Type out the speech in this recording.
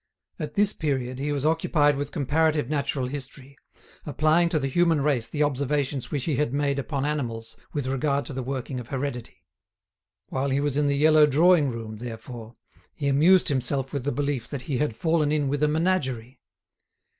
At this period he was occupied with comparative natural history, applying to the human race the observations which he had made upon animals with regard to the working of heredity. While he was in the yellow drawing room, therefore, he amused himself with the belief that he had fallen in with a menagerie.